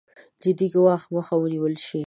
جدي ګواښ مخه ونېول شي.